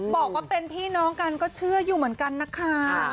บอกว่าเป็นพี่น้องกันก็เชื่ออยู่เหมือนกันนะคะ